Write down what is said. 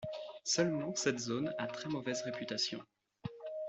Seulement cette zone a très mauvaise réputation...